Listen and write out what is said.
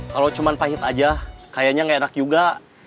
kalau cuma pahit aja kayaknya nggak enak juga